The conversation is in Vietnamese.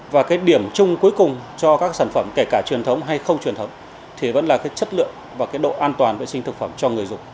và cái điểm chung cuối cùng cho các sản phẩm kể cả truyền thống hay không truyền thống thì vẫn là cái chất lượng và cái độ an toàn vệ sinh thực phẩm cho người dùng